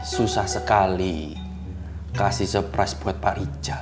susah sekali kasih surprise buat pak richard